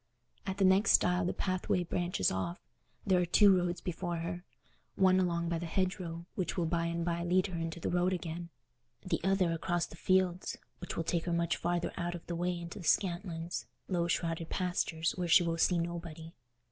At the next stile the pathway branches off: there are two roads before her—one along by the hedgerow, which will by and by lead her into the road again, the other across the fields, which will take her much farther out of the way into the Scantlands, low shrouded pastures where she will see nobody.